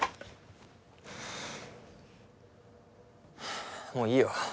あもういいよ。